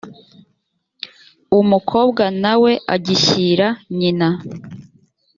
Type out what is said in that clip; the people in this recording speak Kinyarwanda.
umukobwa na we agishyira nyina